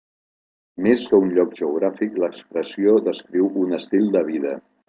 Més que un lloc geogràfic, l'expressió descriu un estil de vida.